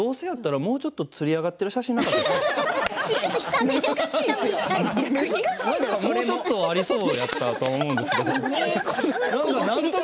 もうちょっとありそうだったと思うんですけども。